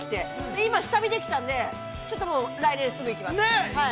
今下見できたんで、ちょっともう来年、すぐ行きます。